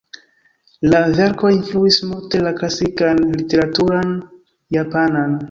La verko influis multe la klasikan literaturon japanan.